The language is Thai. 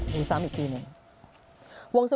มีซ้ำอีกทีหนึ่ง